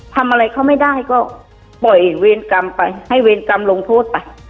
ทำอะไรเขาไม่ได้ก็ปล่อยเวรกรรมไปให้เวรกรรมลงโทษไป